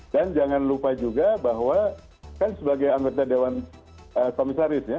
dan jangan lupa juga bahwa kan sebagai anggota dewan komisaris ya